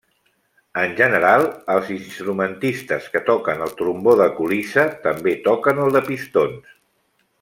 En general, els instrumentistes que toquen el trombó de colissa, també toquen el de pistons.